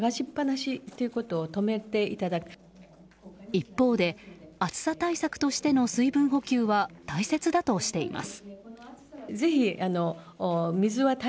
一方で暑さ対策としての水分補給は大切だとしています。